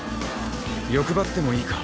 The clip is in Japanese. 欲張ってもいいか？